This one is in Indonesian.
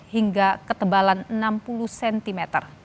hingga ketebalan enam puluh cm